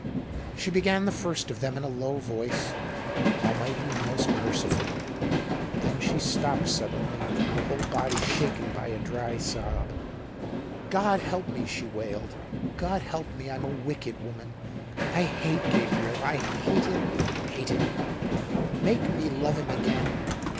She began the first of them in a low voice. " Almighty and most merciful " Then she stopped suddenly, her whole body shaken by a dry sob. " God help me !" she wailed. " God help me J I'm a wicked woman. I hate Gabriel ! I hate him — hate him ! Make me love him again.